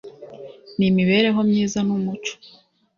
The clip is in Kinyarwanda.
n imibereho myiza n umuco